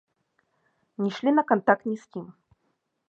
Не шлі на кантакт ні з кім.